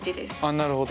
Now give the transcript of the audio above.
なるほど。